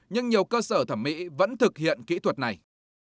nhưng nhiều cơ sở thẩm mỹ vẫn thực hiện kỹ thuật này